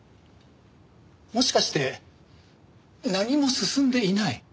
もしかして何も進んでいない？